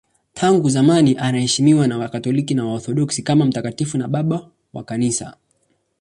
Tangu zamani anaheshimiwa na Wakatoliki na Waorthodoksi kama mtakatifu na babu wa Kanisa.